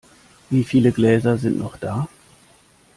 Wieviele Gläser sind noch da?